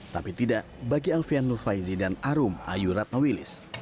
tapi tidak bagi alvian nurfaizi dan arum ayurat mawilis